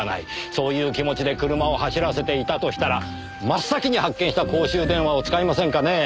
そういう気持ちで車を走らせていたとしたら真っ先に発見した公衆電話を使いませんかねぇ。